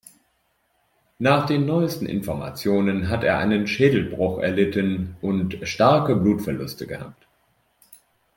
Nach den neuesten Informationen hat er einen Schädelbruch erlitten und starke Blutverluste gehabt.